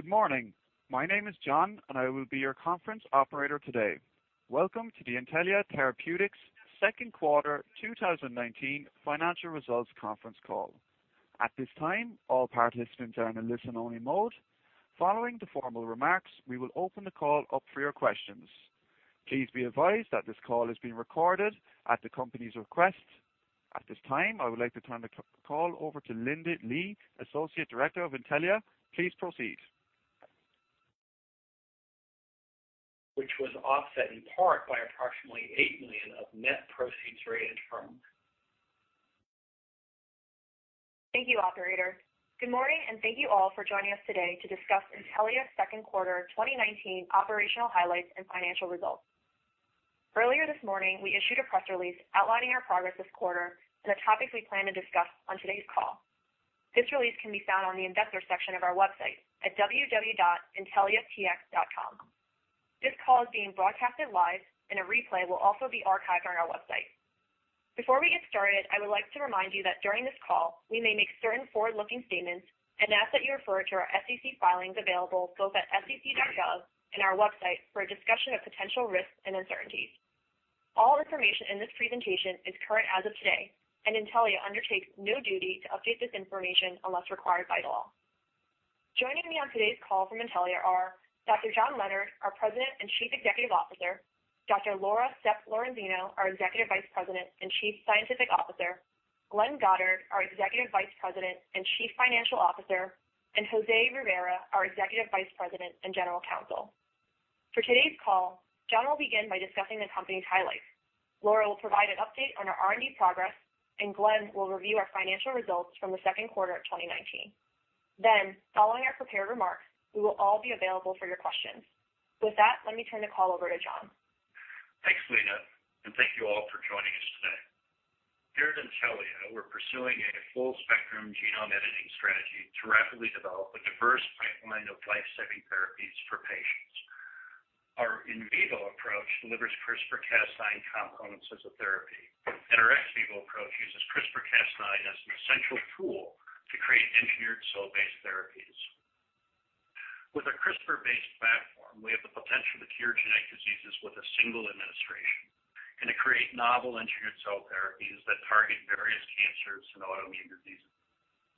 Good morning. My name is John, and I will be your conference operator today. Welcome to the Intellia Therapeutics second quarter 2019 financial results conference call. At this time, all participants are in listen-only mode. Following the formal remarks, we will open the call up for your questions. Please be advised that this call is being recorded at the company's request. At this time, I would like to turn the call over to Lina Li, Associate Director of Intellia. Please proceed. Which was offset in part by approximately $eight million of net proceeds raised from. Thank you, operator. Good morning, and thank you all for joining us today to discuss Intellia's second quarter 2019 operational highlights and financial results. Earlier this morning, we issued a press release outlining our progress this quarter and the topics we plan to discuss on today's call. This release can be found on the investor section of our website at www.intelliatx.com. This call is being broadcasted live, and a replay will also be archived on our website. Before we get started, I would like to remind you that during this call, we may make certain forward-looking statements and ask that you refer to our SEC filings available both at sec.gov and our website for a discussion of potential risks and uncertainties. All information in this presentation is current as of today, and Intellia undertakes no duty to update this information unless required by law. Joining me on today's call from Intellia are Dr. John Leonard, our President and Chief Executive Officer, Dr. Laura Sepp-Lorenzino, our Executive Vice President and Chief Scientific Officer, Glenn Goddard, our Executive Vice President and Chief Financial Officer, and José Rivera, our Executive Vice President and General Counsel. For today's call, John will begin by discussing the company's highlights. Laura will provide an update on our R&D progress, and Glenn will review our financial results from the second quarter of 2019. Following our prepared remarks, we will all be available for your questions. With that, let me turn the call over to John. Thanks, Lina. Thank you all for joining us today. Here at Intellia, we're pursuing a full-spectrum genome editing strategy to rapidly develop a diverse pipeline of life-saving therapies for patients. Our in vivo approach delivers CRISPR-Cas9 components as a therapy, and our ex vivo approach uses CRISPR-Cas9 as an essential tool to create engineered cell-based therapies. With a CRISPR-based platform, we have the potential to cure genetic diseases with a single administration and to create novel engineered cell therapies that target various cancers and autoimmune diseases.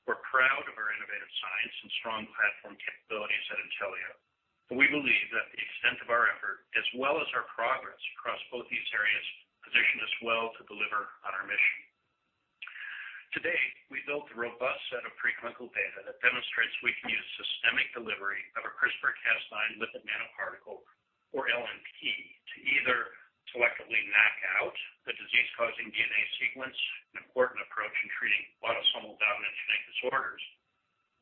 We're proud of our innovative science and strong platform capabilities at Intellia, and we believe that the extent of our effort as well as our progress across both these areas position us well to deliver on our mission. To date, we've built a robust set of preclinical data that demonstrates we can use systemic delivery of a CRISPR-Cas9 lipid nanoparticle, or LNP, to either selectively knock out the disease-causing DNA sequence, an important approach in treating autosomal dominant genetic disorders,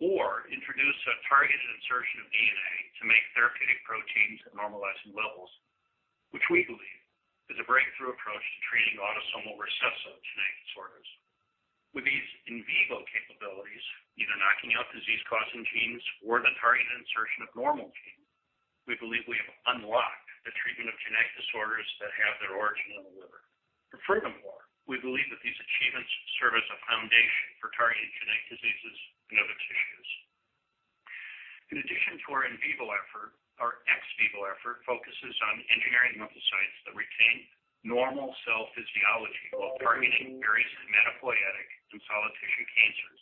or introduce a targeted insertion of DNA to make therapeutic proteins at normalizing levels, which we believe is a breakthrough approach to treating autosomal recessive genetic disorders. With these in vivo capabilities, either knocking out disease-causing genes or the targeted insertion of normal genes, we believe we have unlocked the treatment of genetic disorders that have their origin in the liver. Furthermore, we believe that these achievements serve as a foundation for targeting genetic diseases in other tissues. In addition to our in vivo effort, our ex vivo effort focuses on engineering lymphocytes that retain normal cell physiology while targeting various hematopoietic and solid tissue cancers.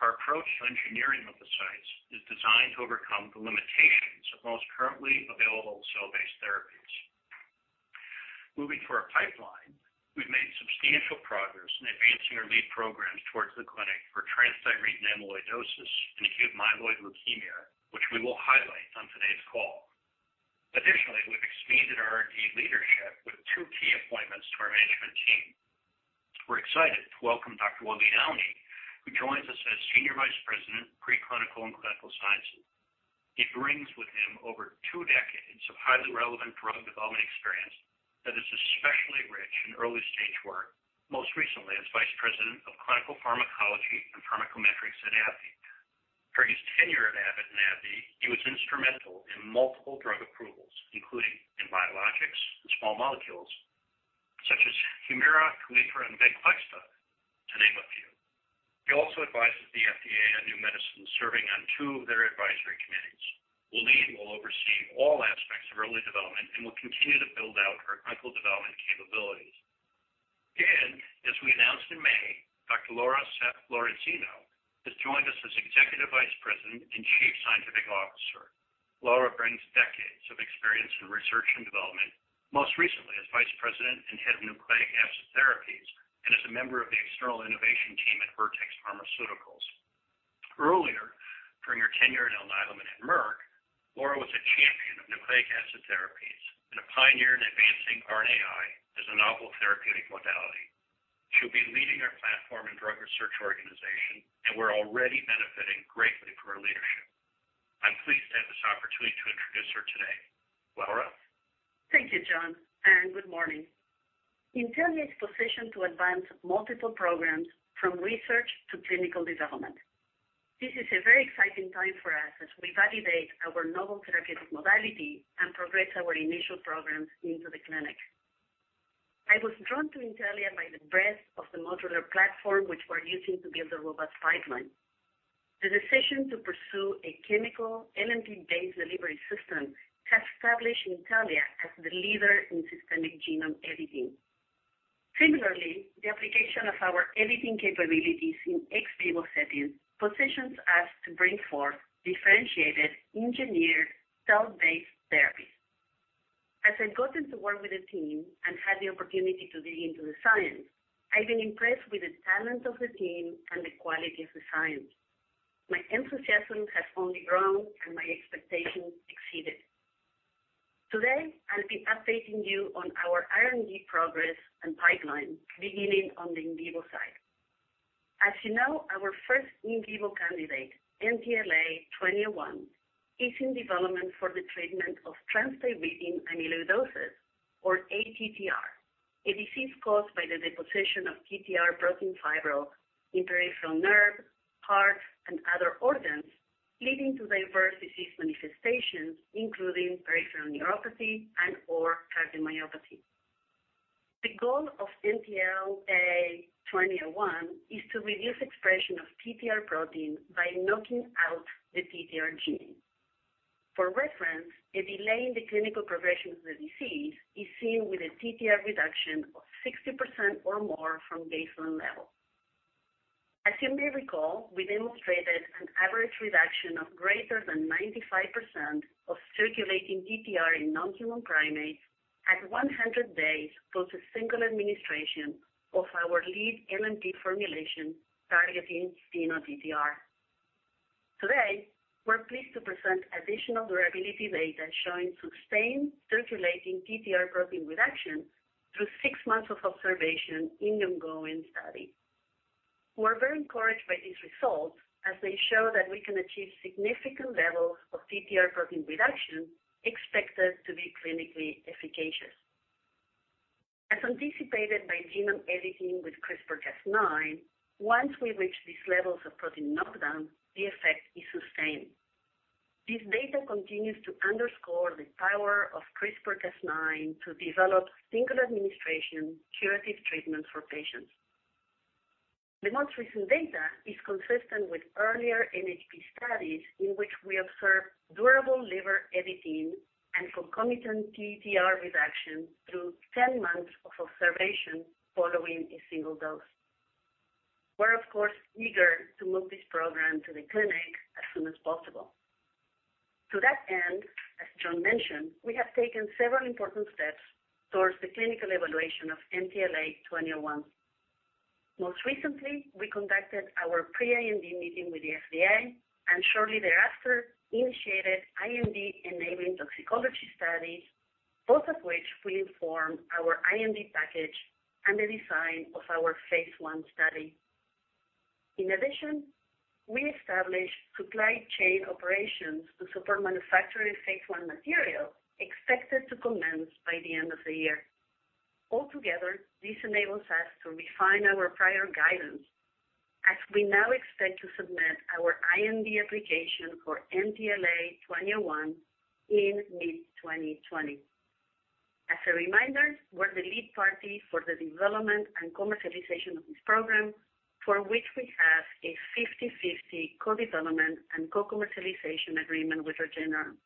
Our approach to engineering lymphocytes is designed to overcome the limitations of most currently available cell-based therapies. Moving to our pipeline, we've made substantial progress in advancing our lead programs towards the clinic for transthyretin amyloidosis and acute myeloid leukemia, which we will highlight on today's call. Additionally, we've expanded our R&D leadership with two key appointments to our management team. We're excited to welcome Dr. Waleed Al-Husseini, who joins us as Senior Vice President of Preclinical and Clinical Sciences. He brings with him over two decades of highly relevant drug development experience that is especially rich in early-stage work, most recently as Vice President of Clinical Pharmacology and Pharmacometrics at AbbVie. During his tenure at Abbott and AbbVie, he was instrumental in multiple drug approvals, including in biologics and small molecules such as HUMIRA, KALETRA, and VENCLEXTA, to name a few. He also advises the FDA on new medicines, serving on two of their advisory committees. Waleed will oversee all aspects of early development and will continue to build out our clinical development capabilities. As we announced in May, Dr. Laura Sepp-Lorenzino has joined us as Executive Vice President and Chief Scientific Officer. Laura brings decades of experience in research and development, most recently as Vice President and Head of Nucleic Acid Therapies and as a member of the external innovation team at Vertex Pharmaceuticals. Earlier, during her tenure at Alnylam and at Merck, Laura was a champion of nucleic acid therapies and a pioneer in advancing RNAi as a novel therapeutic modality. She'll be leading our platform and drug research organization, and we're already benefiting greatly from her leadership. I'm pleased to have this opportunity to introduce her today. Laura? Thank you, John, and good morning. Intellia is positioned to advance multiple programs from research to clinical development. This is a very exciting time for us as we validate our novel therapeutic modality and progress our initial programs into the clinic. I was drawn to Intellia by the breadth of the modular platform which we're using to build a robust pipeline. The decision to pursue a chemical LNP-based delivery system has established Intellia as the leader in systemic genome editing. Similarly, the application of our editing capabilities in ex vivo settings positions us to bring forth differentiated engineered cell-based therapies. As I've gotten to work with the team and had the opportunity to dig into the science, I've been impressed with the talent of the team and the quality of the science. My enthusiasm has only grown and my expectations exceeded. Today, I'll be updating you on our R&D progress and pipeline, beginning on the in vivo side. As you know, our first in vivo candidate, NTLA-2001, is in development for the treatment of transthyretin amyloidosis or ATTR, a disease caused by the deposition of TTR protein fibrils in peripheral nerve, heart, and other organs, leading to diverse disease manifestations including peripheral polyneuropathy and/or cardiomyopathy. The goal of NTLA-2001 is to reduce expression of TTR protein by knocking out the TTR gene. For reference, a delay in the clinical progression of the disease is seen with a TTR reduction of 60% or more from baseline level. As you may recall, we demonstrated an average reduction of greater than 95% of circulating TTR in non-human primates at 100 days post a single administration of our lead LNP formulation targeting cyno TTR. Today, we're pleased to present additional durability data showing sustained circulating TTR protein reduction through six months of observation in the ongoing study. We're very encouraged by these results, as they show that we can achieve significant levels of TTR protein reduction expected to be clinically efficacious. As anticipated by genome editing with CRISPR-Cas9, once we reach these levels of protein knockdown, the effect is sustained. This data continues to underscore the power of CRISPR-Cas9 to develop single-administration curative treatments for patients. The most recent data is consistent with earlier NHP studies in which we observed durable liver editing and concomitant TTR reduction through 10 months of observation following a single dose. We're of course eager to move this program to the clinic as soon as possible. To that end, as John mentioned, we have taken several important steps towards the clinical evaluation of NTLA-2001. Most recently, we conducted our pre-IND meeting with the FDA. Shortly thereafter, initiated IND-enabling toxicology studies, both of which will inform our IND package and the design of our phase I study. In addition, we established supply chain operations to support manufacturing phase I material expected to commence by the end of the year. Altogether, this enables us to refine our prior guidance as we now expect to submit our IND application for NTLA-2001 in mid-2020. As a reminder, we're the lead party for the development and commercialization of this program, for which we have a 50/50 co-development and co-commercialization agreement with Regeneron.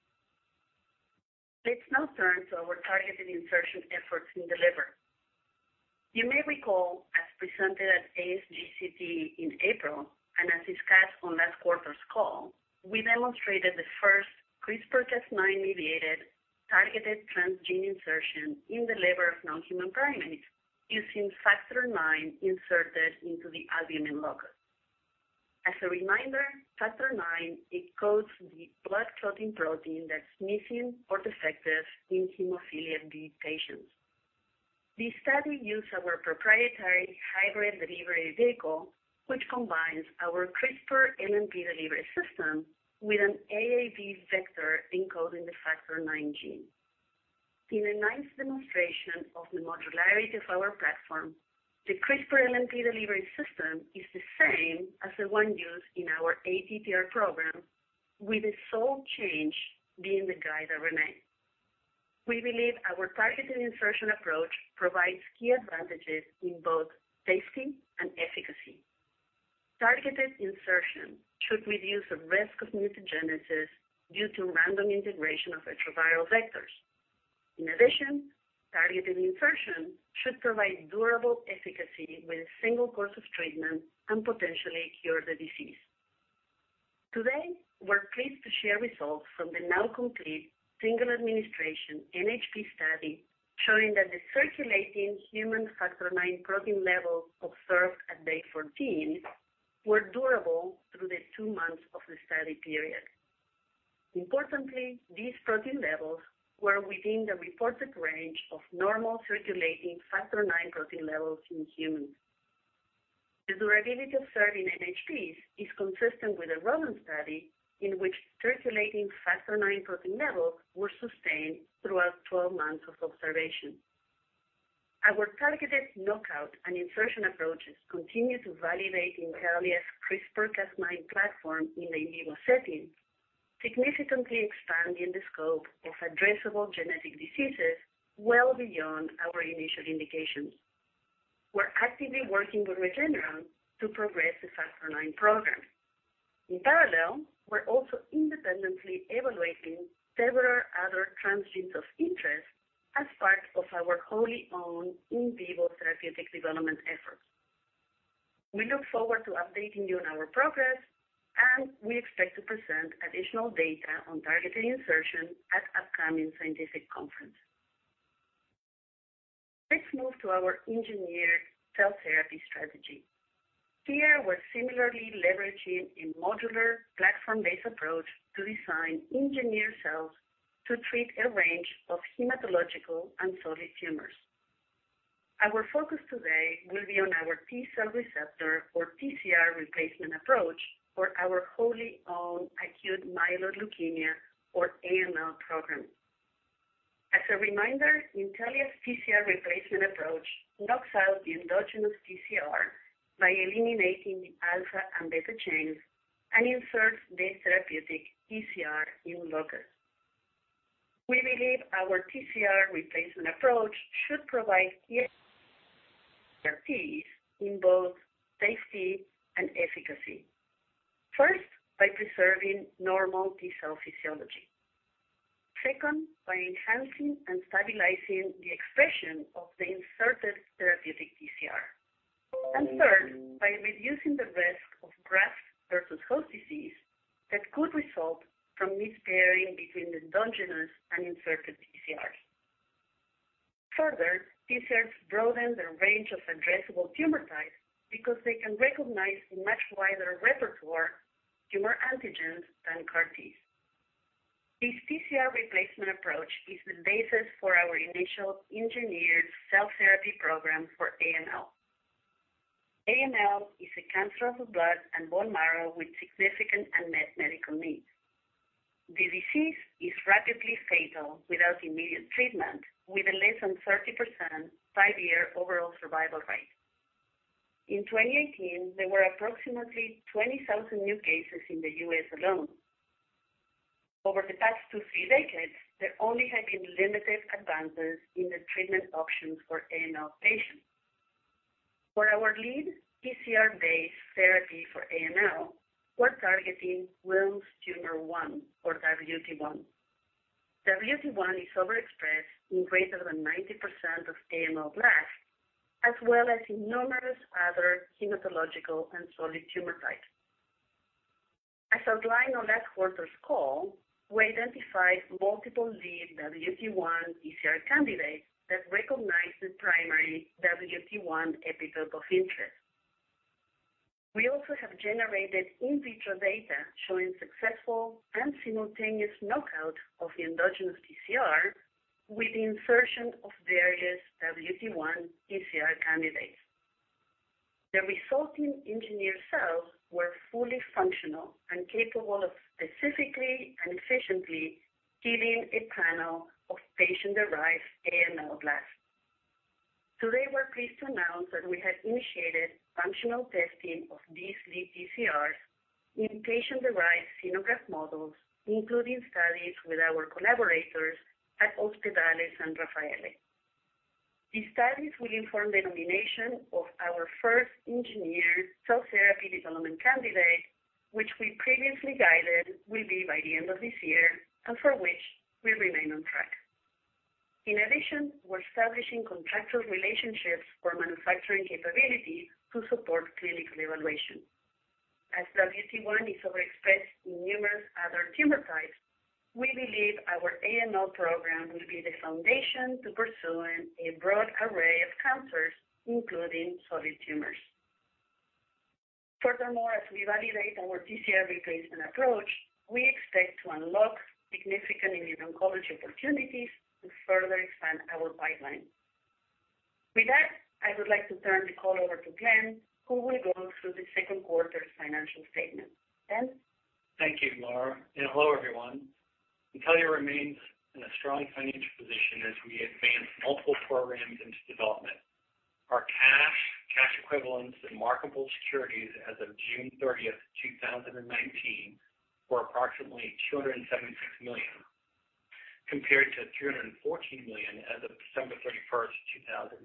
Let's now turn to our targeted insertion efforts in the liver. You may recall, as presented at ASGCT in April and as discussed on last quarter's call, we demonstrated the first CRISPR-Cas9-mediated targeted transgene insertion in the liver of non-human primates using factor IX inserted into the albumin locus. As a reminder, factor IX encodes the blood-clotting protein that's missing or defective in hemophilia B patients. The study used our proprietary hybrid delivery vehicle, which combines our CRISPR-LNP delivery system with an AAV vector encoding the factor IX gene. In a nice demonstration of the modularity of our platform, the CRISPR-LNP delivery system is the same as the one used in our ATTR program, with the sole change being the guide RNA. We believe our targeted insertion approach provides key advantages in both safety and efficacy. Targeted insertion should reduce the risk of mutagenesis due to random integration of retroviral vectors. In addition, targeted insertion should provide durable efficacy with a single course of treatment and potentially cure the disease. Today, we're pleased to share results from the now complete single-administration NHP study showing that the circulating human factor IX protein levels observed at day 14 were durable through the two months of the study period. Importantly, these protein levels were within the reported range of normal circulating factor IX protein levels in humans. The durability observed in NHPs is consistent with a rodent study in which circulating factor IX protein levels were sustained throughout 12 months of observation. Our targeted knockout and insertion approaches continue to validate Intellia's CRISPR-Cas9 platform in the in vivo setting. Significantly expanding the scope of addressable genetic diseases well beyond our initial indications. We're actively working with Regeneron to progress the Factor IX program. In parallel, we're also independently evaluating several other transgenes of interest as part of our wholly owned in vivo therapeutic development efforts. We look forward to updating you on our progress, and we expect to present additional data on targeted insertion at upcoming scientific conference. Let's move to our engineered cell therapy strategy. Here, we're similarly leveraging a modular platform-based approach to design engineered cells to treat a range of hematological and solid tumors. Our focus today will be on our T cell receptor, or TCR, replacement approach for our wholly owned acute myeloid leukemia, or AML, program. As a reminder, Intellia's TCR replacement approach knocks out the endogenous TCR by eliminating the alpha and beta chains and inserts the therapeutic TCR in locus. We believe our TCR replacement approach should provide clear expertise in both safety and efficacy. First, by preserving normal T cell physiology. By enhancing and stabilizing the expression of the inserted therapeutic TCR. Third, by reducing the risk of graft-versus-host disease that could result from mispairing between endogenous and inserted TCRs. T-cells broaden the range of addressable tumor types because they can recognize a much wider repertoire tumor antigens than CAR-Ts. This TCR replacement approach is the basis for our initial engineered cell therapy program for AML. AML is a cancer of the blood and bone marrow with significant unmet medical needs. The disease is rapidly fatal without immediate treatment, with a less than 30% five-year overall survival rate. In 2018, there were approximately 20,000 new cases in the U.S. alone. Over the past two, three decades, there only have been limited advances in the treatment options for AML patients. For our lead TCR-based therapy for AML, we're targeting Wilms' tumor 1, or WT1. WT1 is overexpressed in greater than 90% of AML blast, as well as in numerous other hematological and solid tumor types. As outlined on last quarter's call, we identified multiple lead WT1 TCR candidates that recognize the primary WT1 epitope of interest. We also have generated in vitro data showing successful and simultaneous knockout of the endogenous TCR with the insertion of various WT1 TCR candidates. The resulting engineered cells were fully functional and capable of specifically and efficiently killing a panel of patient-derived AML blast. Today, we are pleased to announce that we have initiated functional testing of these lead TCRs in patient-derived xenograft models, including studies with our collaborators at Ospedale San Raffaele. These studies will inform the nomination of our first engineered cell therapy development candidate, which we previously guided will be by the end of this year, and for which we remain on track. In addition, we're establishing contractual relationships for manufacturing capability to support clinical evaluation. As WT1 is overexpressed in numerous other tumor types, we believe our AML program will be the foundation to pursuing a broad array of cancers, including solid tumors. Furthermore, as we validate our TCR replacement approach, we expect to unlock significant immuno-oncology opportunities to further expand our pipeline. With that, I would like to turn the call over to Glenn, who will go through the second quarter's financial statement. Glenn? Thank you, Laura. Hello, everyone. Intellia remains in a strong financial position as we advance multiple programs into development. Our cash equivalents, and marketable securities as of June 30th, 2019, were approximately $276 million compared to $314 million as of December 31st, 2018.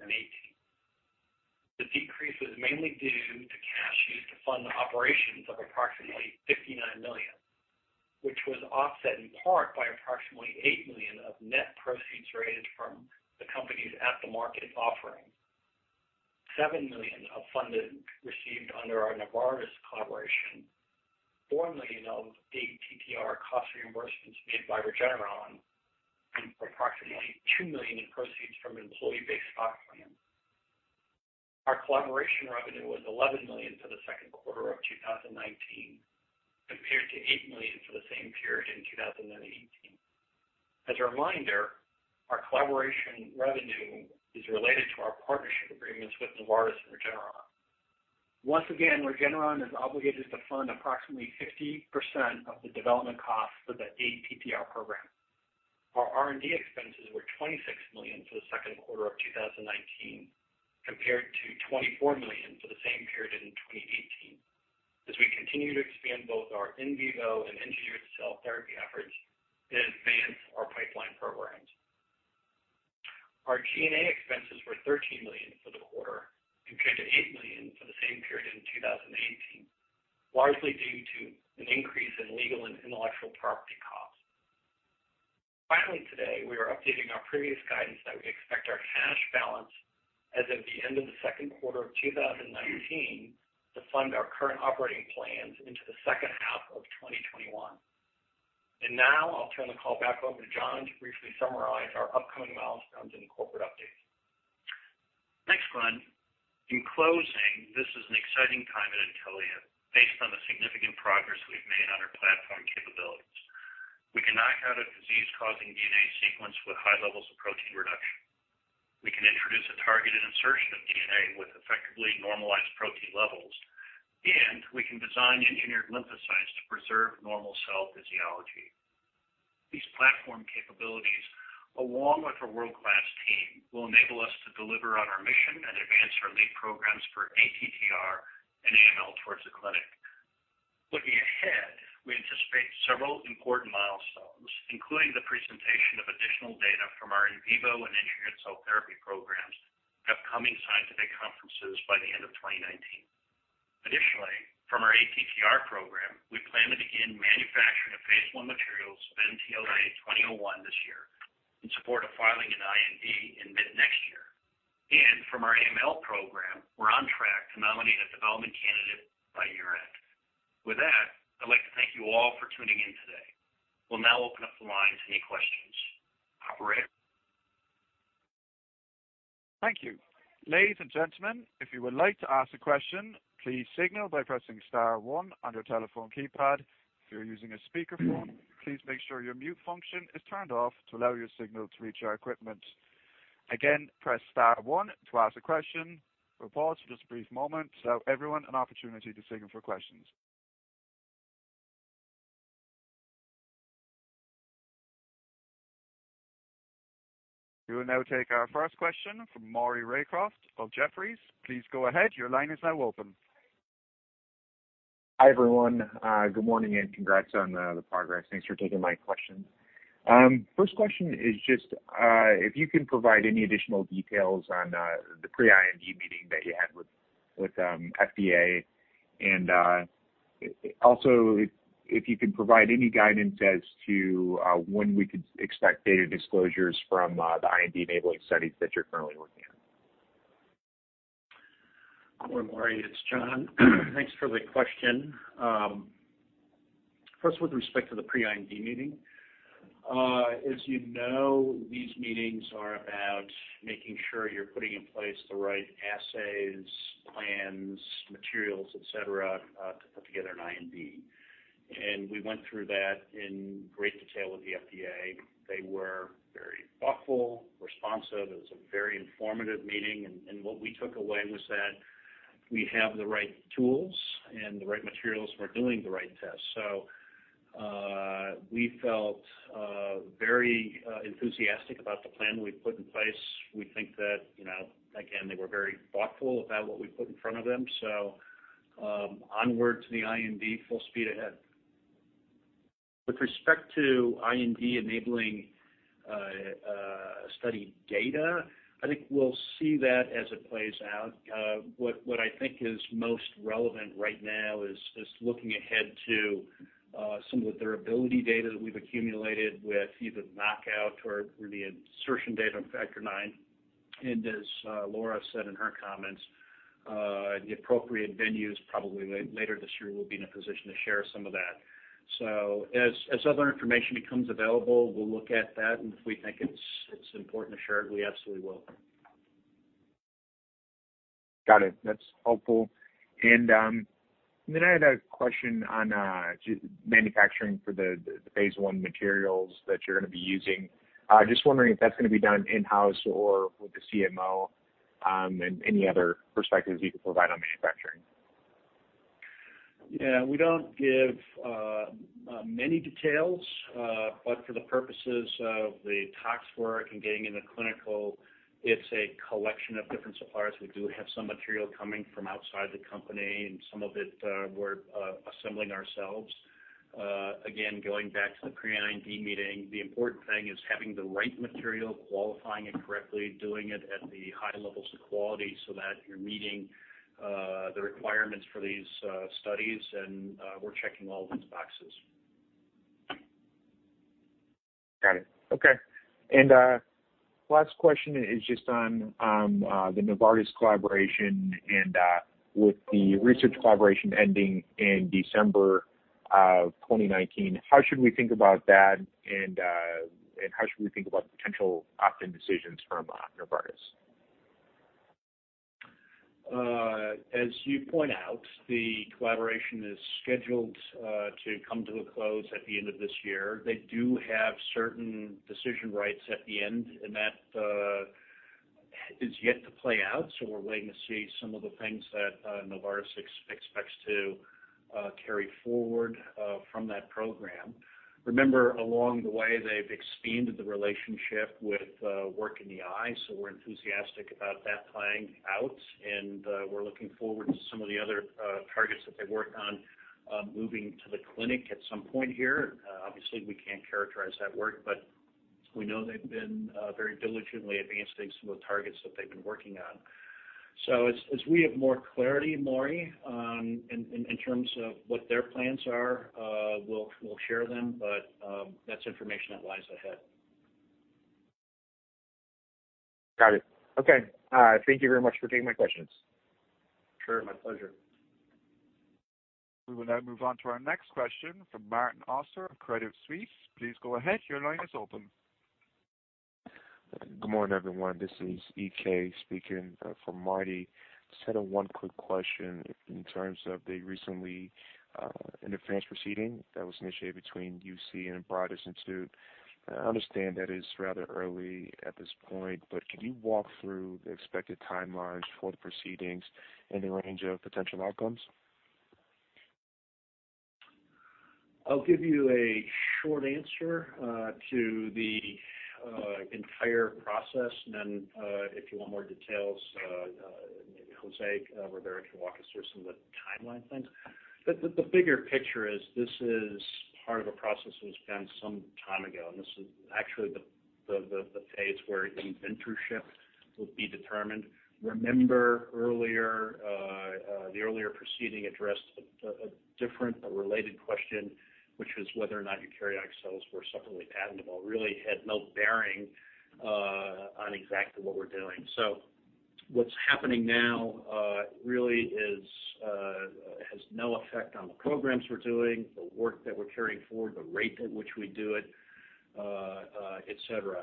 The decrease was mainly due to cash used to fund the operations of approximately $59 million, which was offset in part by approximately $8 million of net proceeds raised from the company's at the market offering, $7 million of funding received under our Novartis collaboration, $4 million of ATTR cost reimbursements made by Regeneron, and approximately $2 million in proceeds from an employee-based stock plan. Our collaboration revenue was $11 million for the second quarter of 2019, compared to $8 million for the same period in 2018. As a reminder, our collaboration revenue is related to our partnership agreements with Novartis and Regeneron. Once again, Regeneron is obligated to fund approximately 50% of the development costs for the ATTR program. Our R&D expenses were $26 million for the second quarter of 2019, compared to $24 million for the same period in 2018, as we continue to expand both our in vivo and engineered cell therapy efforts and advance our pipeline programs. Our G&A expenses were $13 million for the quarter, compared to $8 million for the same period in 2018, largely due to an increase in legal and intellectual property costs. Finally, today, we are updating our previous guidance that we expect our cash balance as of the end of the second quarter of 2019 to fund our current operating plans into the second half of 2021. Now I'll turn the call back over to John to briefly summarize our upcoming milestones and corporate updates. Thanks, Glenn. In closing, this is an exciting time at Intellia. Based on the significant progress we've made on our platform capabilities, we can knock out a disease-causing DNA sequence with high levels of protein reduction. We can introduce a targeted insertion of DNA with effectively normalized protein levels, and we can design engineered lymphocytes to preserve normal cell physiology. These platform capabilities, along with a world-class team, will enable us to deliver on our mission and advance our lead programs for ATTR and AML towards the clinic. Looking ahead, we anticipate several important milestones, including the presentation of additional data from our in vivo and engineered cell therapy programs at upcoming scientific conferences by the end of 2019. From our ATTR program, we plan to begin manufacturing of phase I materials of NTLA-2001 this year in support of filing an IND in mid next year. From our AML program, we're on track to nominate a development candidate by year-end. With that, I'd like to thank you all for tuning in today. We'll now open up the line to any questions. Operator? Thank you. Ladies and gentlemen, if you would like to ask a question, please signal by pressing star one on your telephone keypad. If you're using a speakerphone, please make sure your mute function is turned off to allow your signal to reach our equipment. Again, press star one to ask a question. We'll pause for just a brief moment to allow everyone an opportunity to signal for questions. We will now take our first question from Maury Raycroft of Jefferies. Please go ahead. Your line is now open. Hi, everyone. Good morning. Congrats on the progress. Thanks for taking my questions. First question is just if you can provide any additional details on the pre-IND meeting that you had with FDA, and also if you could provide any guidance as to when we could expect data disclosures from the IND-enabling studies that you're currently working on? Good morning, Maury. It's John. Thanks for the question. First, with respect to the pre-IND meeting. As you know, these meetings are about making sure you're putting in place the right assays, plans, materials, et cetera, to put together an IND. We went through that in great detail with the FDA. They were very thoughtful, responsive. It was a very informative meeting, and what we took away was that we have the right tools and the right materials for doing the right tests. We felt very enthusiastic about the plan we've put in place. We think that, again, they were very thoughtful about what we put in front of them. Onward to the IND, full speed ahead. With respect to IND-enabling study data, I think we'll see that as it plays out. What I think is most relevant right now is looking ahead to some of the durability data that we've accumulated with either the knockout or the insertion data on factor IX. As Laura said in her comments, at the appropriate venues, probably later this year, we'll be in a position to share some of that. As other information becomes available, we'll look at that, and if we think it's important to share it, we absolutely will. Got it. That's helpful. I had a question on manufacturing for the phase I materials that you're going to be using. Just wondering if that's going to be done in-house or with the CMO, and any other perspectives you could provide on manufacturing. Yeah. We don't give many details, but for the purposes of the tox work and getting into clinical, it's a collection of different suppliers. We do have some material coming from outside the company, and some of it we're assembling ourselves. Again, going back to the pre-IND meeting, the important thing is having the right material, qualifying it correctly, doing it at the high levels of quality so that you're meeting the requirements for these studies, and we're checking all those boxes. Got it. Okay. Last question is just on the Novartis collaboration and with the research collaboration ending in December of 2019, how should we think about that, and how should we think about potential opt-in decisions from Novartis? As you point out, the collaboration is scheduled to come to a close at the end of this year. They do have certain decision rights at the end, and that is yet to play out, so we're waiting to see some of the things that Novartis expects to carry forward from that program. Remember, along the way, they've expanded the relationship with work in the eye, so we're enthusiastic about that playing out, and we're looking forward to some of the other targets that they've worked on moving to the clinic at some point here. Obviously, we can't characterize that work, but we know they've been very diligently advancing some of the targets that they've been working on. As we have more clarity, Maury, in terms of what their plans are, we'll share them. That's information that lies ahead. Got it. Okay. All right. Thank you very much for taking my questions. Sure. My pleasure. We will now move on to our next question from Martin Auster of Credit Suisse. Please go ahead. Your line is open. Good morning, everyone. This is EK speaking for Marty. Just had one quick question in terms of the recent interference proceeding that was initiated between UC and Broad Institute. I understand that it's rather early at this point, but could you walk through the expected timelines for the proceedings and the range of potential outcomes? I'll give you a short answer to the entire process, and then, if you want more details, maybe José Rivera can walk us through some of the timeline things. The bigger picture is this is part of a process that was done some time ago, and this is actually the phase where inventorship will be determined. Remember, the earlier proceeding addressed a different related question, which was whether or not eukaryotic cells were separately patentable. It really had no bearing on exactly what we're doing. What's happening now really has no effect on the programs we're doing, the work that we're carrying forward, the rate at which we do it, et cetera.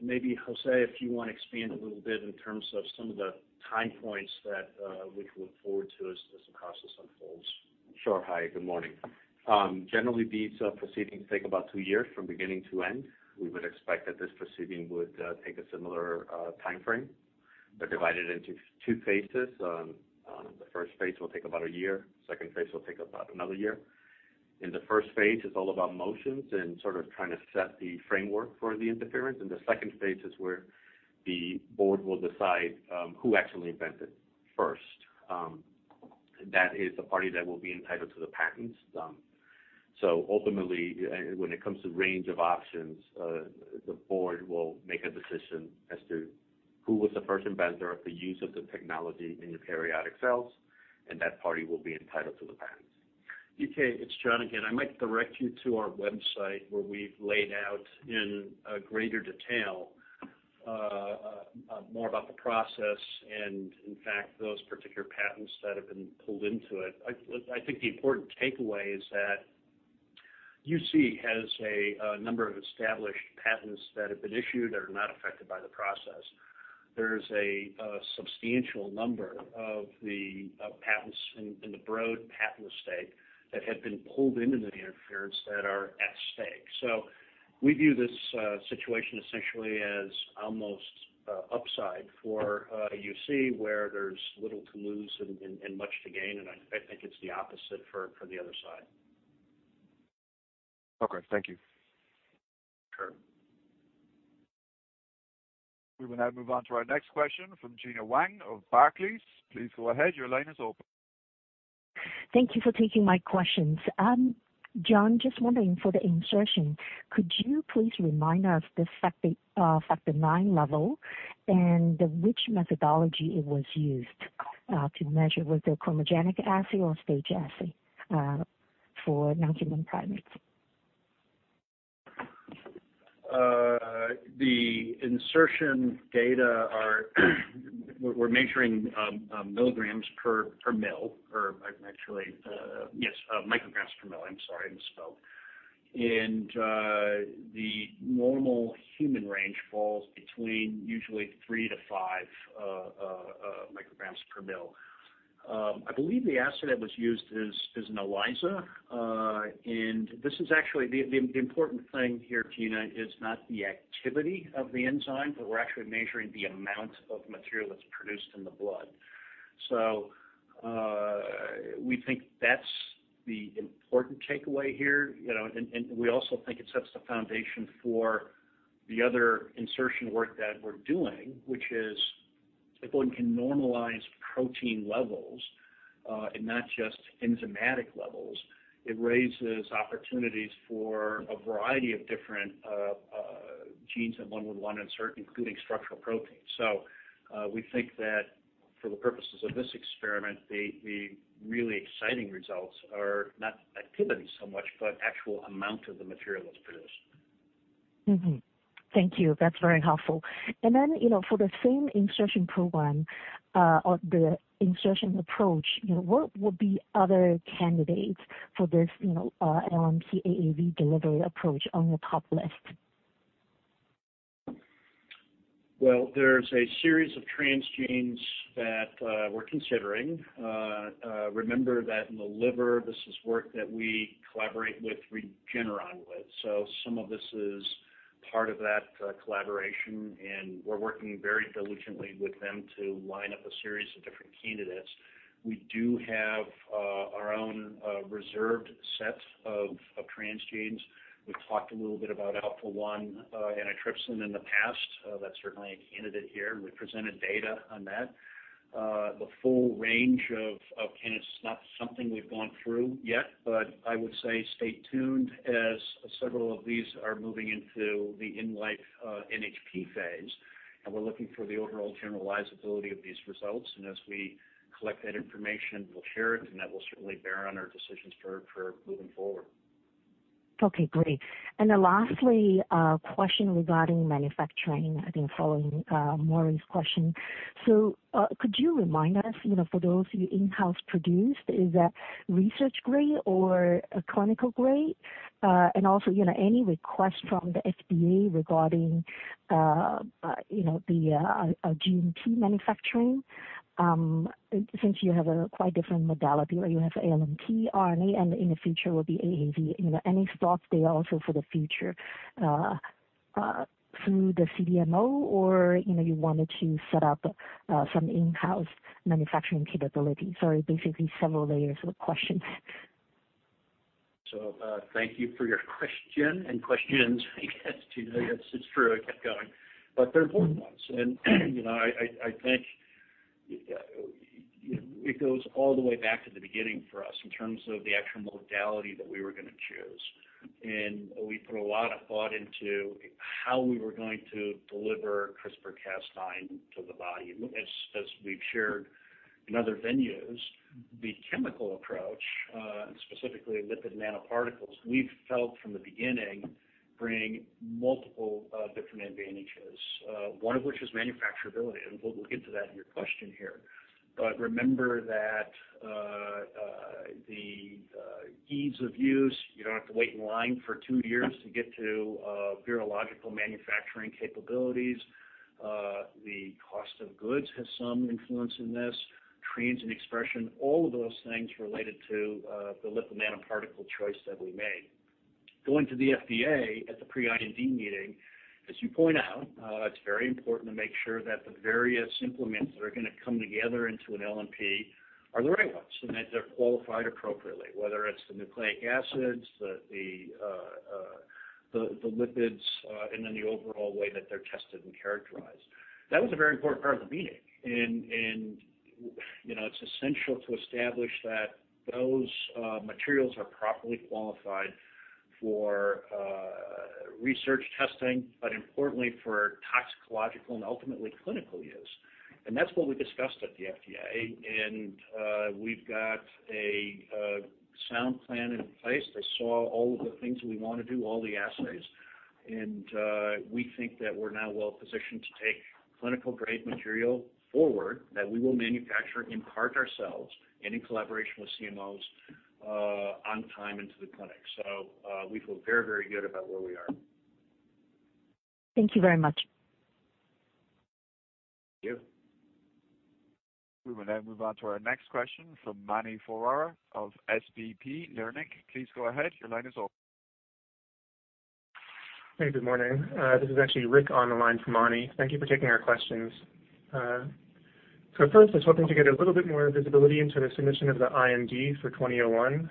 Maybe, José, if you want to expand a little bit in terms of some of the time points that we can look forward to as the process unfolds. Sure. Hi, good morning. Generally, these proceedings take about two years from beginning to end. We would expect that this proceeding would take a similar timeframe. They're divided into two phases. The first phase will take about one year. The second phase will take about another year. In the first phase, it's all about motions and sort of trying to set the framework for the interference. The second phase is where the board will decide who actually invented first. That is the party that will be entitled to the patents. Ultimately, when it comes to range of options, the board will make a decision as to who was the first inventor of the use of the technology in eukaryotic cells, and that party will be entitled to the patent. EK, it's John again. I might direct you to our website where we've laid out in a greater detail more about the process and in fact, those particular patents that have been pulled into it. I think the important takeaway is that UC has a number of established patents that have been issued that are not affected by the process. There's a substantial number of the patents in the Broad patent estate that have been pulled into the interference that are at stake. We view this situation essentially as almost upside for UC, where there's little to lose and much to gain, and I think it's the opposite for the other side. Okay. Thank you. Sure. We will now move on to our next question from Gena Wang of Barclays. Please go ahead. Your line is open. Thank you for taking my questions. John, just wondering for the insertion, could you please remind us the factor IX level and which methodology was used to measure? Was it a chromogenic assay or one-stage assay for non-human primates? The insertion data are, we're measuring milligrams per mL, or actually, yes, micrograms per mL. I'm sorry, I misspoke. The normal human range falls between usually three to five micrograms per mL. I believe the assay that was used is an ELISA. The important thing here, Gena, is not the activity of the enzyme, but we're actually measuring the amount of material that's produced in the blood. We think that's the important takeaway here. We also think it sets the foundation for the other insertion work that we're doing, which is if one can normalize protein levels and not just enzymatic levels, it raises opportunities for a variety of different genes that one would want to insert, including structural proteins. We think that for the purposes of this experiment, the really exciting results are not activity so much, but actual amount of the material that's produced. Thank you. That's very helpful. Then, for the same insertion program or the insertion approach, what would be other candidates for this LNP-AAV delivery approach on your top list? Well, there's a series of transgenes that we're considering. Remember that in the liver, this is work that we collaborate with Regeneron with. Some of this is part of that collaboration, and we're working very diligently with them to line up a series of different candidates. We do have our own reserved set of transgenes. We've talked a little bit about Alpha-1 antitrypsin in the past. That's certainly a candidate here, and we've presented data on that. The full range of candidates is not something we've gone through yet, but I would say stay tuned as several of these are moving into the in life NHP phase. We're looking for the overall generalizability of these results, and as we collect that information, we'll share it, and that will certainly bear on our decisions for moving forward. Okay, great. Lastly, a question regarding manufacturing, I think following Maury's question. Could you remind us, for those you in-house produced, is that research grade or clinical grade? Also, any request from the FDA regarding the GMP manufacturing since you have a quite different modality where you have LNP, RNA, and in the future will be AAV. Any thoughts there also for the future through the CDMO, or you wanted to set up some in-house manufacturing capability? Sorry, basically several layers of questions. Thank you for your question and questions, I guess, too. Yes, it's true, I kept going. They're important ones, and I think it goes all the way back to the beginning for us in terms of the actual modality that we were going to choose. We put a lot of thought into how we were going to deliver CRISPR-Cas9 to the body. As we've shared in other venues, the chemical approach, specifically lipid nanoparticles, we've felt from the beginning bring multiple different advantages. One of which is manufacturability, and we'll get to that in your question here. Remember that the ease of use, you don't have to wait in line for two years to get to virological manufacturing capabilities. The cost of goods has some influence in this. Trans and expression, all of those things related to the lipid nanoparticle choice that we made. Going to the FDA at the pre-IND meeting, as you point out, it's very important to make sure that the various implements that are going to come together into an LNP are the right ones, and that they're qualified appropriately, whether it's the nucleic acids, the lipids, and then the overall way that they're tested and characterized. That was a very important part of the meeting, and it's essential to establish that those materials are properly qualified for research testing, but importantly for toxicological and ultimately clinical use. That's what we discussed at the FDA, and we've got a sound plan in place. They saw all of the things we want to do, all the assays, and we think that we're now well-positioned to take clinical-grade material forward that we will manufacture in part ourselves and in collaboration with CMOs on time into the clinic. We feel very, very good about where we are. Thank you very much. Thank you. We will now move on to our next question from Mani Foroohar of SVB Leerink. Please go ahead. Your line is open. Hey, good morning. This is actually Rick on the line for Mani. Thank you for taking our questions. First, I was hoping to get a little bit more visibility into the submission of the IND for twenty oh one.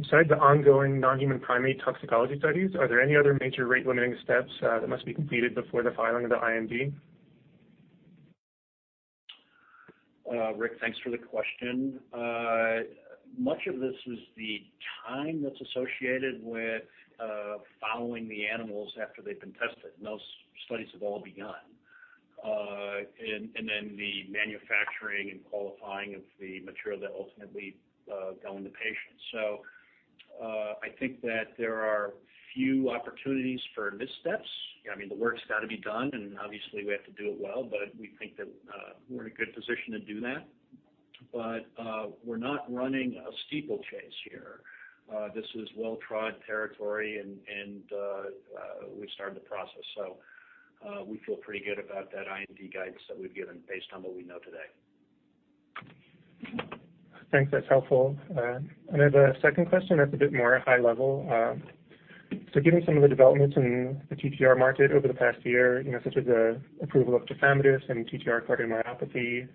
Besides the ongoing non-human primate toxicology studies, are there any other major rate-limiting steps that must be completed before the filing of the IND? Rick, thanks for the question. Much of this is the time that's associated with following the animals after they've been tested, and those studies have all begun. The manufacturing and qualifying of the material that ultimately go into patients. I think that there are few opportunities for missteps. The work's got to be done, and obviously we have to do it well, but we think that we're in a good position to do that. We're not running a steeplechase here. This is well-trod territory, and we've started the process. We feel pretty good about that IND guidance that we've given based on what we know today. Thanks. That's helpful. I have a second question that's a bit more high level. Given some of the developments in the TTR market over the past year, such as the approval of tafamidis in TTR cardiomyopathy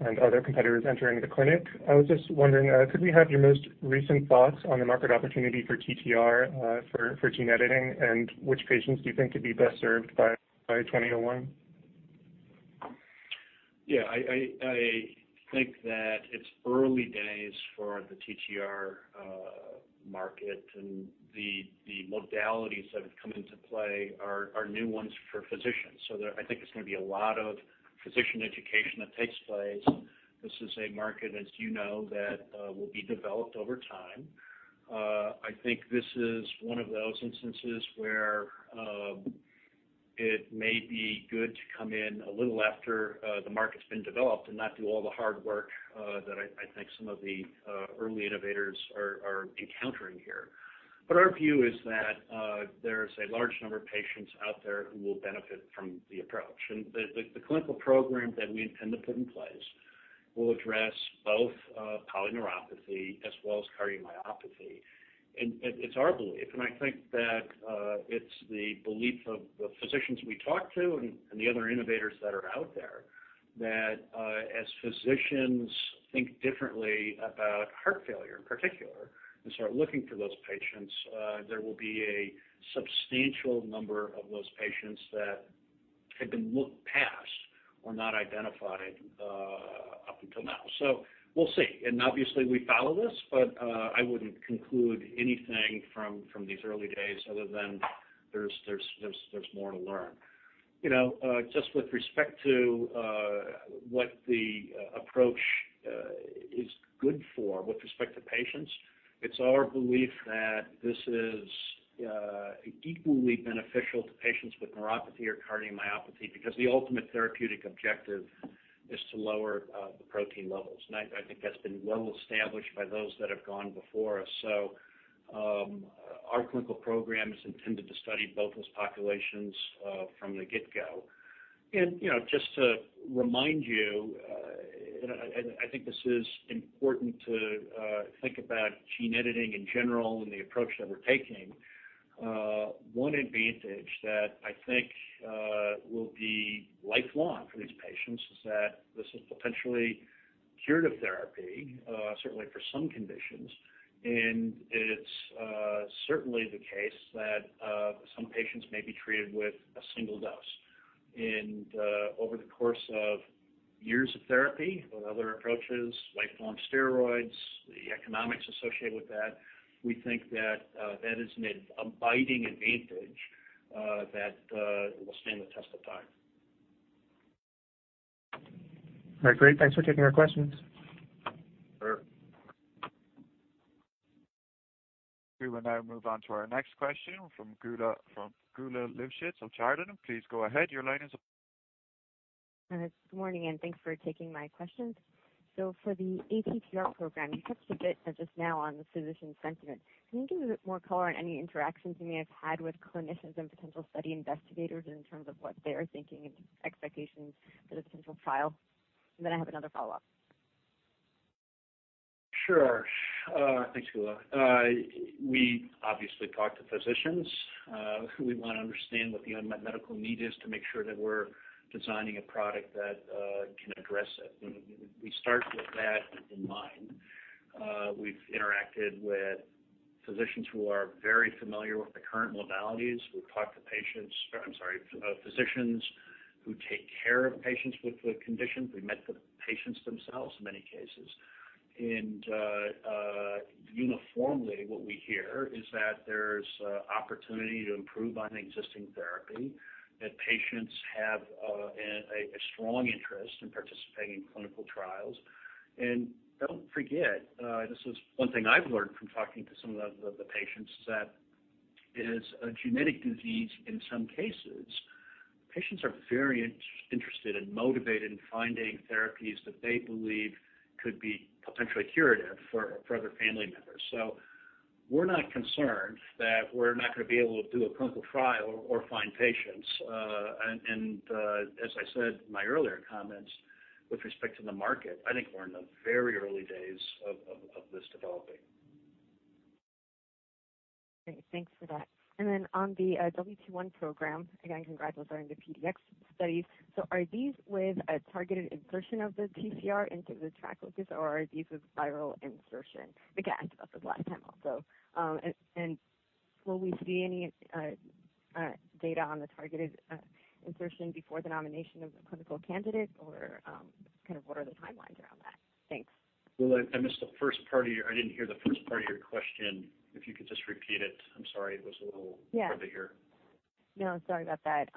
and other competitors entering the clinic, I was just wondering, could we have your most recent thoughts on the market opportunity for TTR for gene editing, and which patients do you think could be best served by twenty oh one? Yeah, I think that it's early days for the TTR market, and the modalities that have come into play are new ones for physicians. I think it's going to be a lot of physician education that takes place. This is a market, as you know, that will be developed over time. I think this is one of those instances where it may be good to come in a little after the market's been developed and not do all the hard work that I think some of the early innovators are encountering here. Our view is that there's a large number of patients out there who will benefit from the approach. The clinical program that we intend to put in place will address both polyneuropathy as well as cardiomyopathy. It's our belief, and I think that it's the belief of the physicians we talk to and the other innovators that are out there, that as physicians think differently about heart failure in particular and start looking for those patients, there will be a substantial number of those patients that had been looked past or not identified up until now. We'll see. Obviously, we follow this, but I wouldn't conclude anything from these early days other than there's more to learn. Just with respect to what the approach is good for, with respect to patients, it's our belief that this is equally beneficial to patients with neuropathy or cardiomyopathy because the ultimate therapeutic objective is to lower the protein levels. I think that's been well established by those that have gone before us. Our clinical program is intended to study both those populations from the get-go. Just to remind you, and I think this is important to think about gene editing in general and the approach that we're taking, one advantage that I think will be lifelong for these patients is that this is potentially curative therapy, certainly for some conditions. It's certainly the case that some patients may be treated with a single dose. Over the course of years of therapy with other approaches, lifelong steroids, the economics associated with that, we think that that is an abiding advantage that will stand the test of time. All right, great. Thanks for taking our questions. Sure. We will now move on to our next question from Geulah Livshits of Chardan. Please go ahead. Your line is open. Good morning, and thanks for taking my questions. For the ATTR program, you touched a bit just now on the physician sentiment. Can you give a bit more color on any interactions you may have had with clinicians and potential study investigators in terms of what they are thinking and expectations for the potential trial? I have another follow-up. Sure. Thanks, Geulah. We obviously talk to physicians. We want to understand what the unmet medical need is to make sure that we're designing a product that can address it. We start with that in mind. We've interacted with physicians who are very familiar with the current modalities. We've talked to physicians who take care of patients with the conditions. We've met the patients themselves in many cases. Uniformly, what we hear is that there's opportunity to improve on existing therapy, that patients have a strong interest in participating in clinical trials. Don't forget, this is one thing I've learned from talking to some of the patients, is that it is a genetic disease in some cases. Patients are very interested and motivated in finding therapies that they believe could be potentially curative for other family members. We're not concerned that we're not going to be able to do a clinical trial or find patients. As I said in my earlier comments with respect to the market, I think we're in the very early days of this developing. Great. Thanks for that. Then on the WT1 program, again, congrats on the PDX studies. Are these with a targeted insertion of the TCR into the TRAC locus, or are these with viral insertion? Again, I asked about this last time also. Will we see any data on the targeted insertion before the nomination of the clinical candidate, or what are the timelines around that? Thanks. Gbola, I didn't hear the first part of your question. If you could just repeat it. I'm sorry. Yeah hard to hear. No, I'm sorry about that.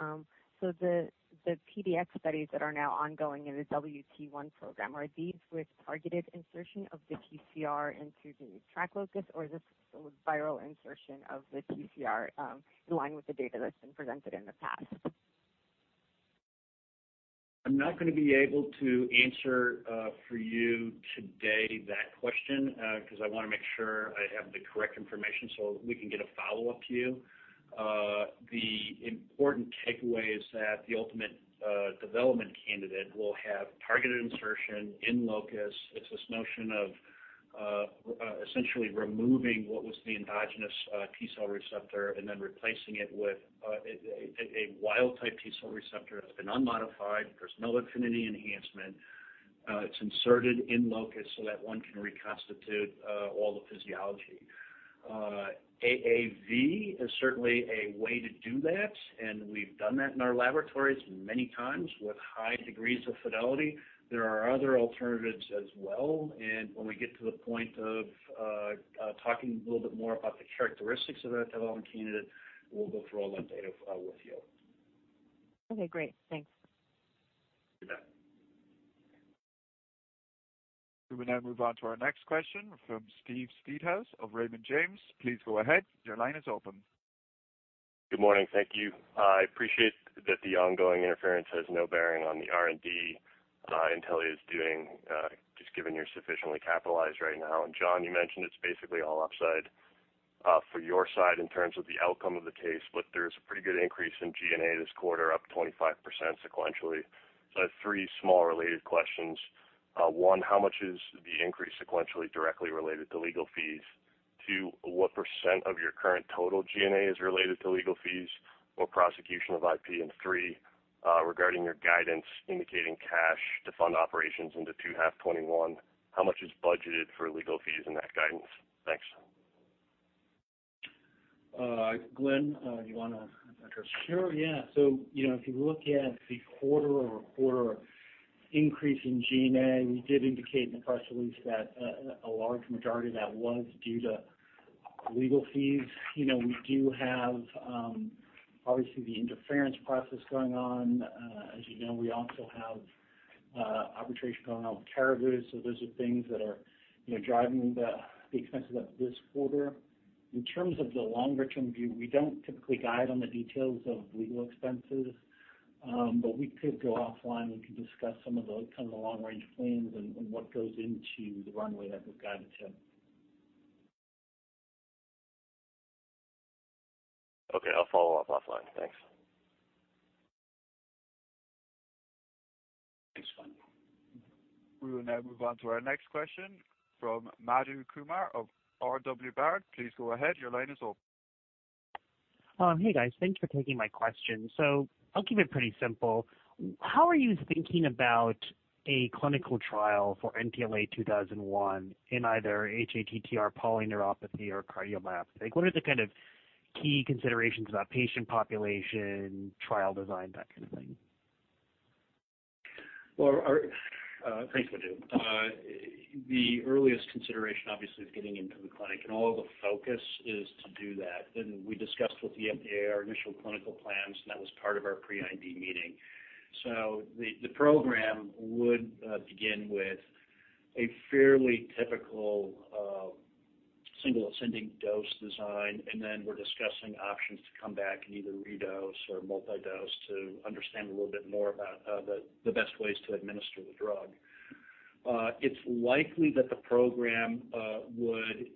The PDX studies that are now ongoing in the WT1 program, are these with targeted insertion of the TCR into the TRAC locus, or is this with viral insertion of the TCR in line with the data that's been presented in the past? I'm not going to be able to answer for you today that question because I want to make sure I have the correct information so that we can get a follow-up to you. The important takeaway is that the ultimate development candidate will have targeted insertion in locus. It's this notion of essentially removing what was the endogenous T cell receptor and then replacing it with a wild type T cell receptor that's been unmodified. There's no affinity enhancement. It's inserted in locus so that one can reconstitute all the physiology. AAV is certainly a way to do that, and we've done that in our laboratories many times with high degrees of fidelity. When we get to the point of talking a little bit more about the characteristics of that development candidate, we'll go through all that data with you. Okay, great. Thanks. You bet. We will now move on to our next question from Steven Seedhouse of Raymond James. Please go ahead. Your line is open. Good morning. Thank you. I appreciate that the ongoing interference has no bearing on the R&D Intellia is doing, just given you're sufficiently capitalized right now. John, you mentioned it's basically all upside for your side in terms of the outcome of the case, but there's a pretty good increase in G&A this quarter, up 25% sequentially. I have three small related questions. One, how much is the increase sequentially directly related to legal fees? Two, what percent of your current total G&A is related to legal fees or prosecution of IP? Three, regarding your guidance indicating cash to fund operations into two half 2021, how much is budgeted for legal fees in that guidance? Thanks. Glenn, do you want to address? Sure, yeah. If you look at the quarter-over-quarter increase in G&A, we did indicate in the press release that a large majority of that was due to legal fees. We do have, obviously, the interference process going on. We also have arbitration going on with Caribou. Those are things that are driving the expenses up this quarter. In terms of the longer-term view, we don't typically guide on the details of legal expenses, but we could go offline and we could discuss some of the long-range plans and what goes into the runway that we've guided to. Okay. I'll follow up offline. Thanks. Thanks, Glenn. We will now move on to our next question from Madhu Kumar of R.W. Baird. Please go ahead. Your line is open. Hey, guys. Thanks for taking my question. I'll keep it pretty simple. How are you thinking about a clinical trial for NTLA-2001 in either hATTR polyneuropathy or cardiomyopathy? What are the kind of key considerations about patient population, trial design, that kind of thing? Well, thanks, Madhu. The earliest consideration, obviously, is getting into the clinic, and all of the focus is to do that. We discussed with the FDA our initial clinical plans, and that was part of our pre-IND meeting. The program would begin with a fairly typical single ascending dose design, and then we're discussing options to come back and either redose or multi-dose to understand a little bit more about the best ways to administer the drug. It's likely that the program would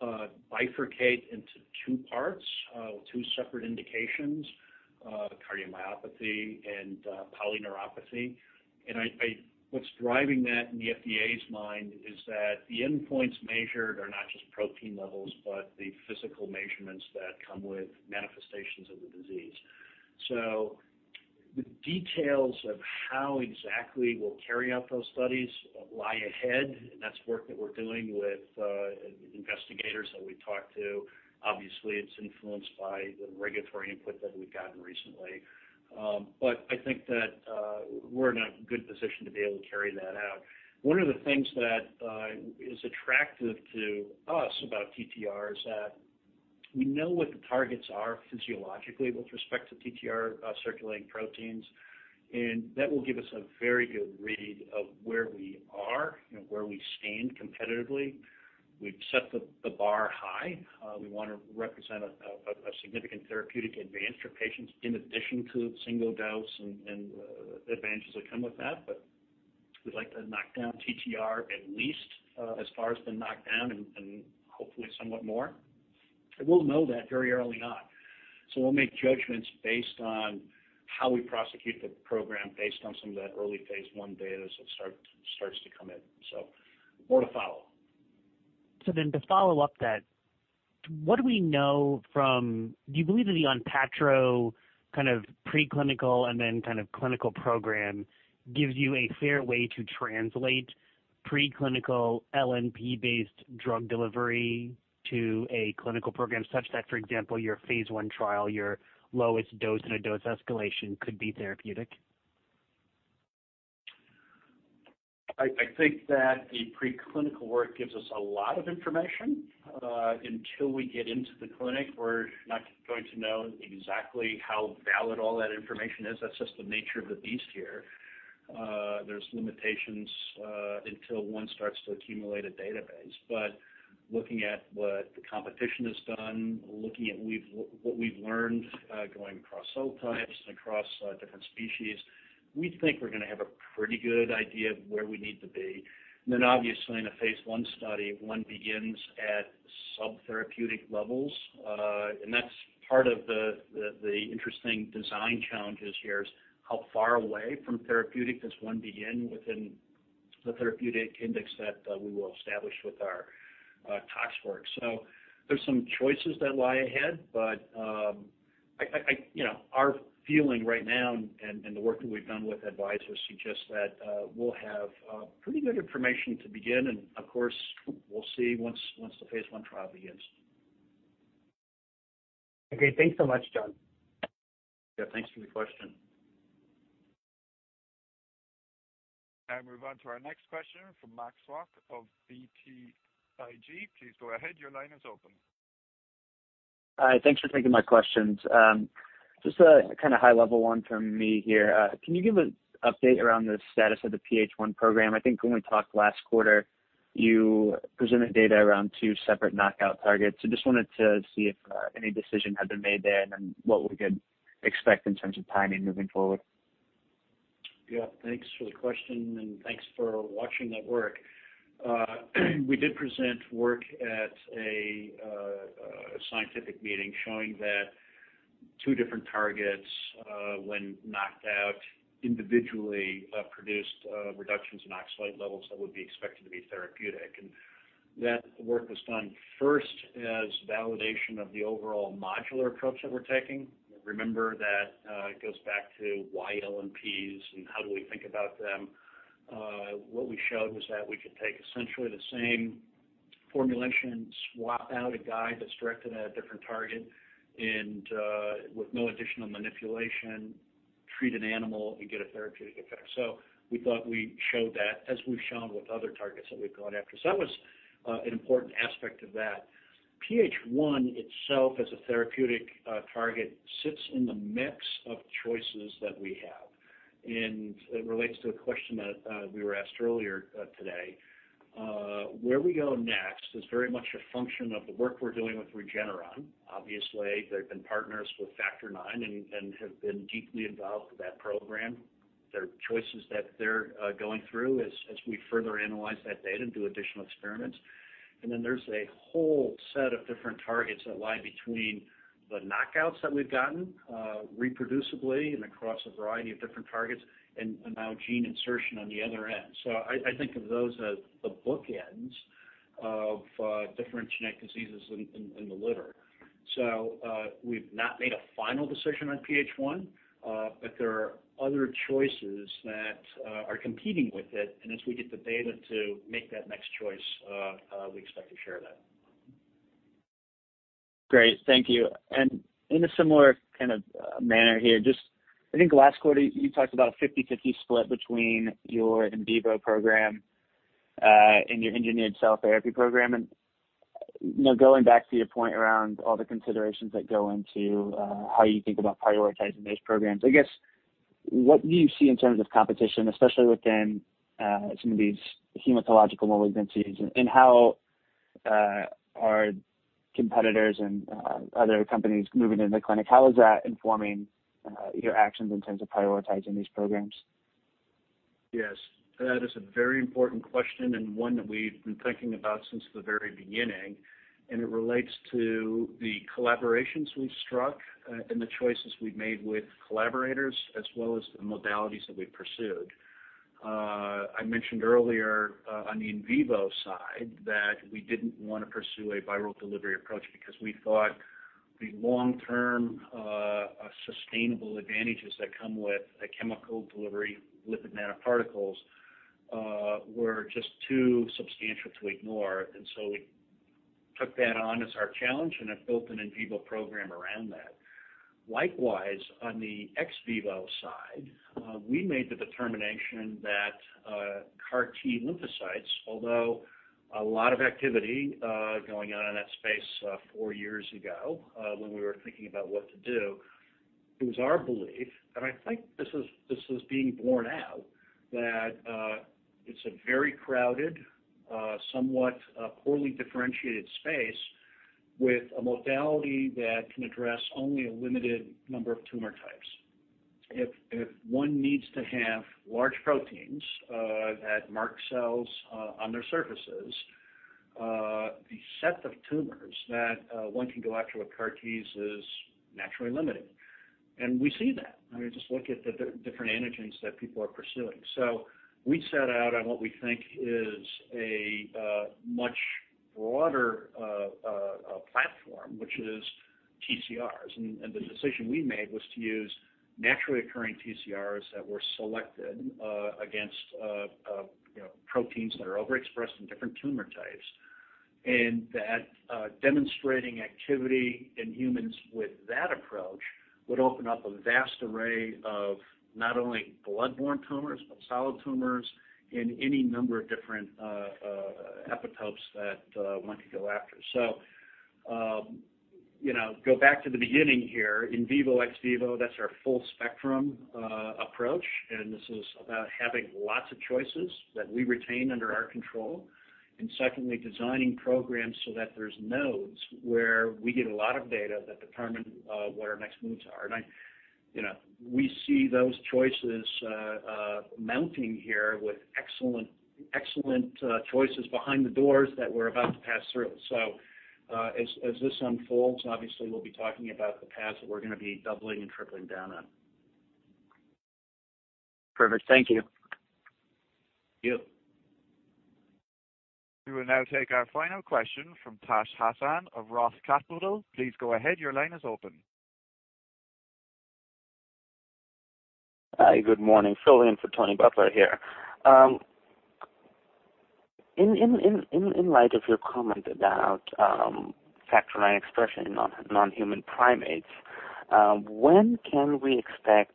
bifurcate into two parts, two separate indications, cardiomyopathy and polyneuropathy. What's driving that in the FDA's mind is that the endpoints measured are not just protein levels, but the physical measurements that come with manifestations of the disease. The details of how exactly we'll carry out those studies lie ahead, and that's work that we're doing with investigators that we've talked to. Obviously, it's influenced by the regulatory input that we've gotten recently. I think that we're in a good position to be able to carry that out. One of the things that is attractive to us about TTR is that we know what the targets are physiologically with respect to TTR circulating proteins, and that will give us a very good read of where we are and where we stand competitively. We've set the bar high. We want to represent a significant therapeutic advance for patients in addition to single dose and the advantages that come with that. We'd like to knock down TTR at least as far as been knocked down and hopefully somewhat more. We'll know that very early on. We'll make judgments based on how we prosecute the program based on some of that early phase I data as it starts to come in. More to follow. To follow up that, what do we know from-- do you believe that the Onpattro kind of preclinical and then kind of clinical program gives you a fair way to translate preclinical LNP-based drug delivery to a clinical program such that, for example, your phase I trial, your lowest dose in a dose escalation could be therapeutic? I think that the preclinical work gives us a lot of information. Until we get into the clinic, we're not going to know exactly how valid all that information is. That's just the nature of the beast here. There's limitations until one starts to accumulate a database. Looking at what the competition has done, looking at what we've learned going across cell types and across different species, we think we're going to have a pretty good idea of where we need to be. Obviously in a phase I study, one begins at subtherapeutic levels. That's part of the interesting design challenges here is how far away from therapeutic does one begin within the therapeutic index that we will establish with our tox work. There's some choices that lie ahead, but our feeling right now and the work that we've done with advisors suggests that we'll have pretty good information to begin, and of course, we'll see once the phase I trial begins. Okay. Thanks so much, John. Yeah. Thanks for the question. Move on to our next question from Maxwell Slatkoff of BTIG. Please go ahead. Your line is open. Hi. Thanks for taking my questions. Just a kind of high level one from me here. Can you give an update around the status of the PH1 program? I think when we talked last quarter, you presented data around two separate knockout targets. Just wanted to see if any decision had been made there and then what we could expect in terms of timing moving forward. Yeah. Thanks for the question, and thanks for watching that work. We did present work at a scientific meeting showing that two different targets, when knocked out individually, produced reductions in oxalate levels that would be expected to be therapeutic. That work was done first as validation of the overall modular approach that we're taking. Remember that it goes back to why LNPs and how do we think about them. What we showed was that we could take essentially the same formulation, swap out a guide that's directed at a different target, and with no additional manipulation, treat an animal and get a therapeutic effect. We thought we showed that, as we've shown with other targets that we've gone after. That was an important aspect of that. PH1 itself as a therapeutic target sits in the mix of choices that we have, and it relates to a question that we were asked earlier today. Where we go next is very much a function of the work we're doing with Regeneron. Obviously, they've been partners with factor IX and have been deeply involved with that program. There are choices that they're going through as we further analyze that data and do additional experiments. There's a whole set of different targets that lie between the knockouts that we've gotten reproducibly and across a variety of different targets, and now gene insertion on the other end. I think of those as the bookends of different genetic diseases in the liver. We've not made a final decision on PH1, but there are other choices that are competing with it, and as we get the data to make that next choice, we expect to share that. Great. Thank you. In a similar manner here, just I think last quarter you talked about a 50/50 split between your in vivo program and your engineered cell therapy program. Going back to your point around all the considerations that go into how you think about prioritizing those programs, I guess, what do you see in terms of competition, especially within some of these hematological malignancies, and how are competitors and other companies moving into the clinic? How is that informing your actions in terms of prioritizing these programs? Yes, that is a very important question and one that we've been thinking about since the very beginning, and it relates to the collaborations we've struck and the choices we've made with collaborators, as well as the modalities that we've pursued. I mentioned earlier on the in vivo side that we didn't want to pursue a viral delivery approach because we thought the long-term sustainable advantages that come with chemical delivery lipid nanoparticles were just too substantial to ignore. We took that on as our challenge and have built an in vivo program around that. Likewise, on the ex vivo side, we made the determination that CAR T lymphocytes, although a lot of activity going on in that space four years ago when we were thinking about what to do, it was our belief, and I think this is being borne out, that it's a very crowded, somewhat poorly differentiated space with a modality that can address only a limited number of tumor types. If one needs to have large proteins that mark cells on their surfaces, the set of tumors that one can go after with CAR Ts is naturally limited, and we see that. I mean, just look at the different antigens that people are pursuing. We set out on what we think is a much broader platform, which is TCRs. The decision we made was to use naturally occurring TCRs that were selected against proteins that are overexpressed in different tumor types, and that demonstrating activity in humans with that approach would open up a vast array of not only blood-borne tumors but solid tumors in any number of different epitopes that one could go after. Go back to the beginning here, in vivo, ex vivo, that's our full-spectrum approach, and this is about having lots of choices that we retain under our control, and secondly, designing programs so that there's nodes where we get a lot of data that determine what our next moves are. We see those choices mounting here with excellent choices behind the doors that we're about to pass through. As this unfolds, obviously we'll be talking about the paths that we're going to be doubling and tripling down on. Perfect. Thank you. Thank you. We will now take our final question from Tazeen Ahmad of Roth Capital. Please go ahead. Your line is open. Hi. Good morning. Filling in for Charles Butler here. In light of your comment about factor IX expression in non-human primates, when can we expect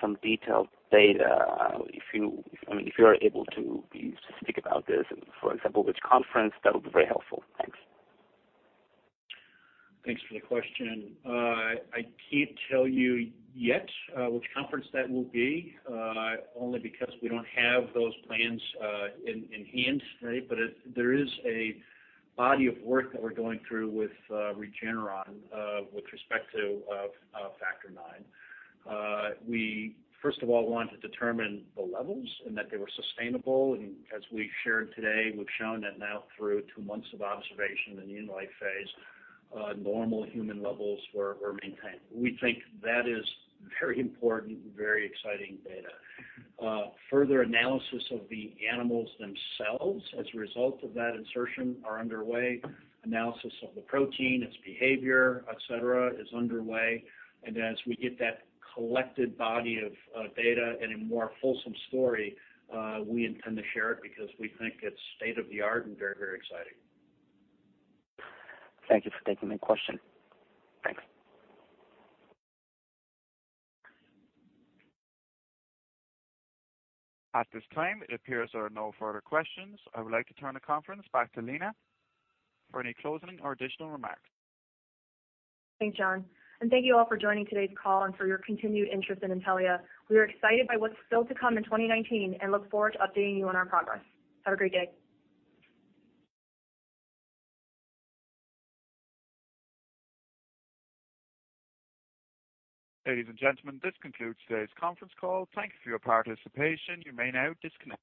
some detailed data? If you are able to be specific about this and, for example, which conference, that would be very helpful. Thanks. Thanks for the question. I can't tell you yet which conference that will be only because we don't have those plans in hand. There is a body of work that we're going through with Regeneron with respect to factor IX. We first of all want to determine the levels and that they were sustainable. As we've shared today, we've shown that now through two months of observation in the in-life phase, normal human levels were maintained. We think that is very important and very exciting data. Further analysis of the animals themselves as a result of that insertion are underway. Analysis of the protein, its behavior, et cetera, is underway. As we get that collected body of data and a more fulsome story, we intend to share it because we think it's state-of-the-art and very exciting. Thank you for taking the question. Thanks. At this time, it appears there are no further questions. I would like to turn the conference back to Lina for any closing or additional remarks. Thanks, John, thank you all for joining today's call and for your continued interest in Intellia. We are excited by what's still to come in 2019 and look forward to updating you on our progress. Have a great day. Ladies and gentlemen, this concludes today's conference call. Thank you for your participation. You may now disconnect.